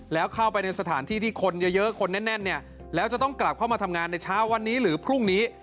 แล้วเข้าไปในสถานที่ที่คนเยอะคนแน่นเนี่ยแล้วจะต้องกลับเข้ามาทำงานในเช้าวันนี้หรือพรุ่งนี้